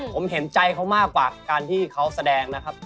ผมเห็นใจเขามากกว่าการที่เขาแสดงนะครับ